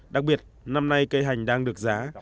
đặc biệt năm nay cây hành đang được giá